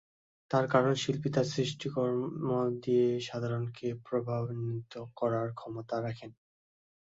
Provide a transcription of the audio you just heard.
তার কারণ, শিল্পী তাঁর সৃষ্টকর্ম দিয়ে সাধারণকে প্রভাবান্বিত করার ক্ষমতা রাখেন।